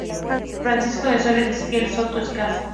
Francisco de Sales Ezequiel Soto Escaso.